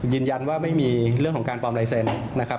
ยืนยันว่าไม่มีเรื่องของการปลอมลายเซ็นต์นะครับ